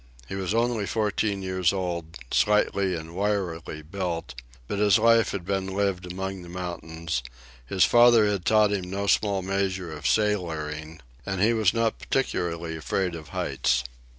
He was only fourteen years old, slightly and wirily built; but his life had been lived among the mountains, his father had taught him no small measure of "sailoring," and he was not particularly afraid of heights.